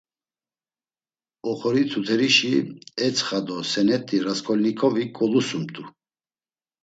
Oxorituterişi etsxa do senet̆i Rasǩolnikovik golusumt̆u.